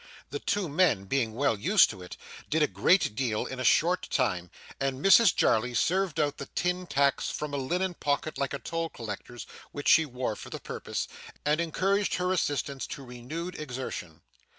The two men being well used to it, did a great deal in a short time; and Mrs Jarley served out the tin tacks from a linen pocket like a toll collector's which she wore for the purpose, and encouraged her assistants to renewed exertion.